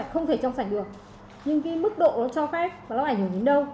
không thể trong sạch được nhưng cái mức độ nó cho phép và nó ảnh hưởng đến đâu